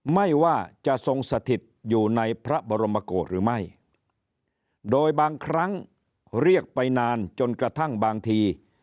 ไม่ว่าจะทรงสถิตอยู่ในพระบรมโกรธหรือไม่โดยบางครั้งเรียกไปนานจนกระทั่งบางที